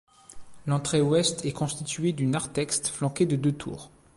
L'entrée ouest est constituée du narthex flanqué de deux tours.